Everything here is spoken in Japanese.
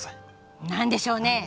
何でしょう？